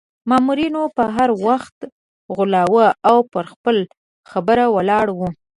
مامورینو به هر وخت غولاوه او پر خپله خبره ولاړ وو.